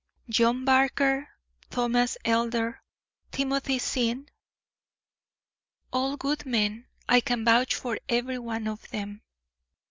"John Barker, Thomas Elder, Timothy Sinn?" "All good men; I can vouch for every one of them."